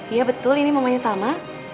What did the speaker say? iya betul ini mamanya salma